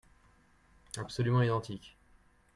Absolument identique.